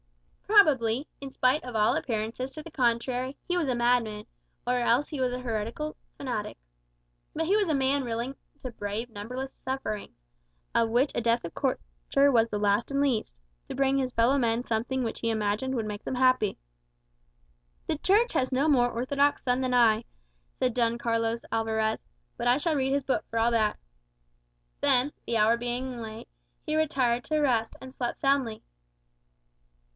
Probably, in spite of all appearances to the contrary, he was a madman; or else he was a heretical fanatic. But he was a man willing to brave numberless sufferings (of which a death of torture was the last and least), to bring his fellow men something which he imagined would make them happy. "The Church has no more orthodox son than I," said Don Carlos Alvarez; "but I shall read his book for all that." Then, the hour being late, he retired to rest, and slept soundly.